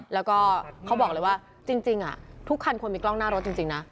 แล้วก็เขาบอกเลยว่าจริงทุกคันควรมีกล้องหน้ารถจริงนะ